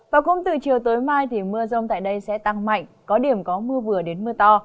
và cũng từ chiều tối mai thì mưa rông tại đây sẽ tăng mạnh có điểm có mưa vừa đến mưa to